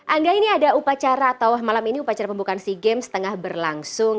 angga ini ada upacara atau malam ini upacara pembukaan sea games tengah berlangsung